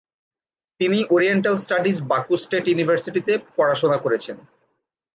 তিনি oriental studies Baku state ইউনিভার্সিটিতে পড়াশোনা করেছেন।